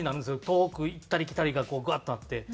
遠く行ったり来たりがこうグッとなって。